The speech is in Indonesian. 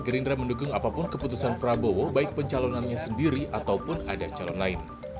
gerindra mendukung apapun keputusan prabowo baik pencalonannya sendiri ataupun ada calon lain